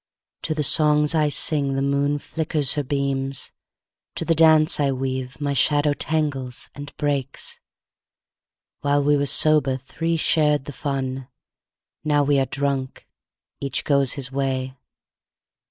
To the songs I sing the moon flickers her beams; In the dance I weave my shadow tangles and breaks. While we were sober, three shared the fun; Now we are drunk, each goes his way.